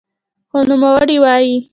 خو نوموړی وايي